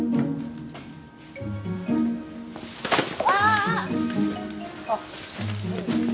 ああ。